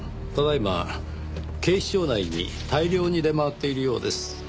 ただ今警視庁内に大量に出回っているようです。